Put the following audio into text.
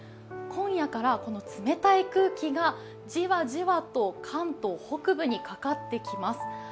今夜からこの冷たい空気がじわじわと関東北部にかかってきます。